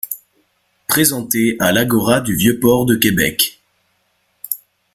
Présenté à l'Agora du Vieux Port de Québec.